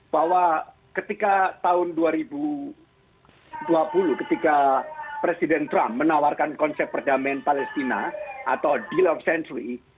bahwa ketika tahun dua ribu dua puluh ketika presiden trump menawarkan konsep perdamaian palestina atau deal of centray